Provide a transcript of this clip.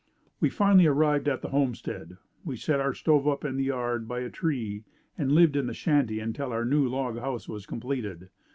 We finally arrived at the homestead. We set our stove up in the yard by a tree and lived in the shanty until our new log house was completed.